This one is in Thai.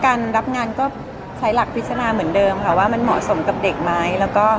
การรับงานก็ใช้หลักพิจารณาเหมือนเดิมค่ะว่ามันเหมาะสมกับเด็กไหมแล้วก็